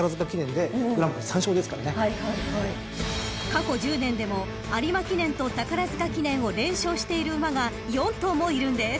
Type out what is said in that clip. ［過去１０年でも有馬記念と宝塚記念を連勝している馬が４頭もいるんです］